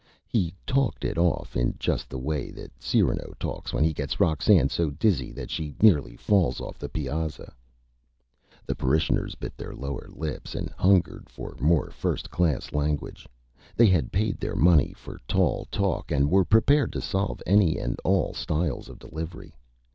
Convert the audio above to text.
He talked it off in just the Way that Cyrano talks when he gets Roxane so Dizzy that she nearly falls off the Piazza. [Illustration: VENERABLE HARNESS DEALER] The Parishioners bit their Lower Lips and hungered for more First Class Language. They had paid their Money for Tall Talk and were prepared to solve any and all Styles of Delivery.